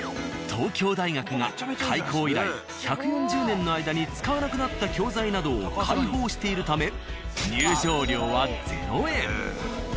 東京大学が開校以来１４０年の間に使わなくなった教材などを開放しているため入場料は０円。